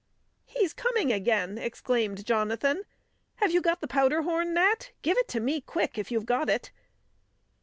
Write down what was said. "He's coming again!" exclaimed Jonathan. "Have you got the powder horn, Nat? Give it to me quick, if you've got it!"